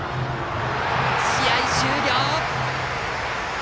試合終了！